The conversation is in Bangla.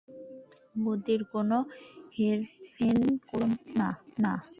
গতির কোনো হেরফের করো না।